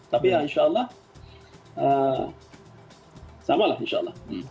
tapi ya insya allah sama lah insya allah